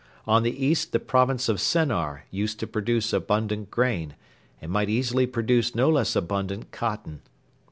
On the east the province of Sennar used to produce abundant grain, and might easily produce no less abundant cotton.